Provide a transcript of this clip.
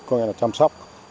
có nghĩa là chăm sóc